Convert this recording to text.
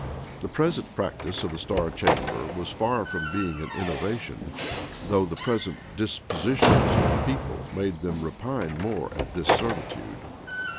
The present practice of the star chamber was far from being an innovation; though the present dispositions of the people made them repine more at this servitude.